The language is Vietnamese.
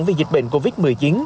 vì dịch bệnh covid một mươi chín